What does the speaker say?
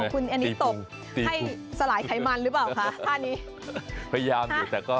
ของคุณอันนี้จะตบให้สลายไขมันหรือเปล่าคะ